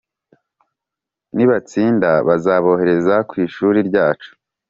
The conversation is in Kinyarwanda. nibatsinda bazabohereze ku ishuri ryacu.